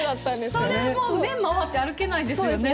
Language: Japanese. それもう目ぇ回って歩けないですよね。